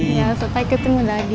iya sampai ketemu lagi